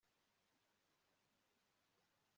Ku mugoroba wejo Trix na Mukandoli ntibari mu rugo